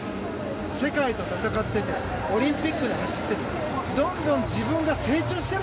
世界と戦っててオリンピックで走っている。